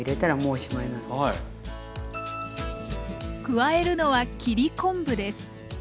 加えるのは切り昆布です。